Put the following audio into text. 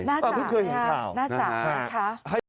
น่าจะคือเห็นข่าวน่าจะคือเห็นข่าว